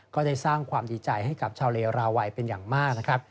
ก็ได้สร้างความดีใจให้กับชาวเลราวัยเป็นอย่างมากนะครับ